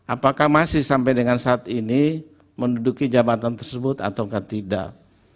apakah masih sampai dengan saat ini menduduki jabatan tersebut atau tidak